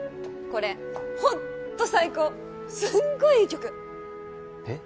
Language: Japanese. これホンット最高すんごいいい曲えっ？